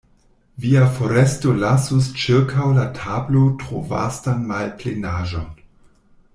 Via foresto lasus ĉirkaŭ la tablo tro vastan malplenaĵon.